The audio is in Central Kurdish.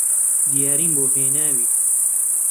دیاریم بۆ هێناوی